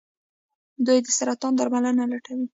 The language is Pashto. دوی د سرطان درملنه لټوي.